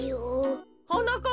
はなかっ